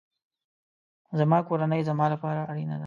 زما کورنۍ زما لپاره اړینه ده